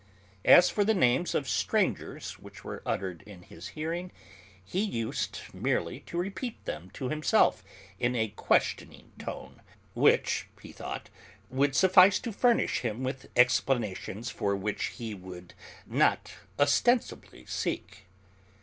As for the names of strangers which were uttered in his hearing, he used merely to repeat them to himself in a questioning tone, which, he thought, would suffice to furnish him with explanations for which he would not ostensibly seek.